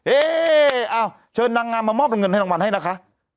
เอ๊เอาเชิญนางงามมามอบเงินให้รางวัลให้นะคะ